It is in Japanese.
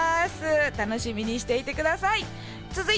楽しみにしていてください。